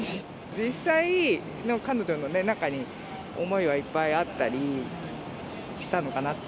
実際の彼女の中に思いはいっぱいあったりしたのかなって。